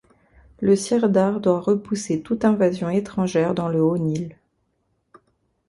Le sirdar doit repousser toute invasion étrangère dans le Haut-Nil.